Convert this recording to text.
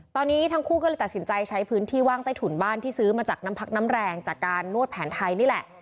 ตอนนี้ทั้งคู่ก็เลยตัดสินใจใช้พื้นที่ว่างใต้ถุนบ้านที่ซื้อมาจากน้ำพักน้ำแรงจากการนวดแผนไทยนี่แหละ